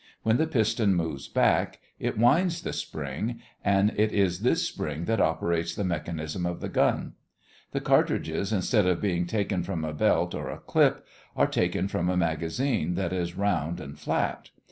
When the piston moves back, it winds the spring, and it is this spring that operates the mechanism of the gun. The cartridges, instead of being taken from a belt or a clip, are taken from a magazine that is round and flat.